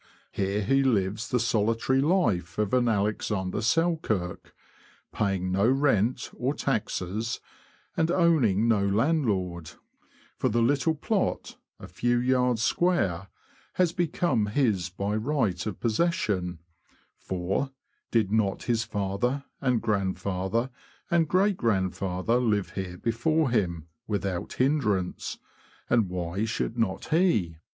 Here he lives the solitary life of an Alexander Selkirk, paying no rent or taxes, and owning no landlord, for the little plot, a few yards square, has become his by right of pos session — for, did not his father and grandfather and great grandfather live here before him without hin drance, and why should not he?